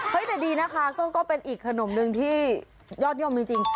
แต่ดีนะคะก็เป็นอีกขนมนึงที่ยอดนิยมจริง